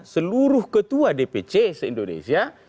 seluruh ketua dpc se indonesia